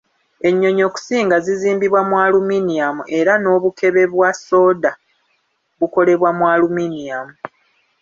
Ennyonyi okusinga zizimbibwa mu aluminiyamu era n'obukebe bwa sooda bukolebwa mu aluminiyamu